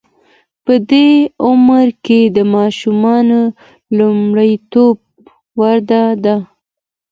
په دې عمر کې د ماشوم لومړیتوب وده ده.